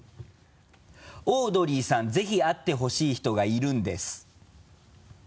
オードリーさん、ぜひ会ってほしい人がいるんです。